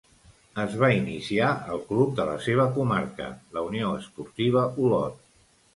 Es va iniciar al club de la seva comarca, la Unió Esportiva Olot.